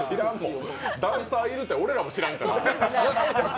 ダンサーいるって俺らも知らんから。